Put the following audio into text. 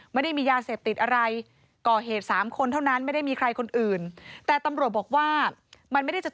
ไม่ได้มียาเสพติดอะไร